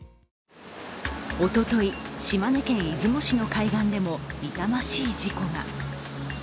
おととい、島根県出雲市の海岸でも痛ましい事故が。